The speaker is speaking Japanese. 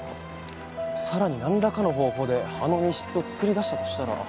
更になんらかの方法であの密室を作り出したとしたら。